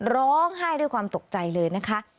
ร้องไห้ด้วยความตกใจเลยนะคะ